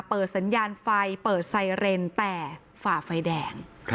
เปิดสัญญาณไฟเปิดไซเรนแต่ฝ่าไฟแดง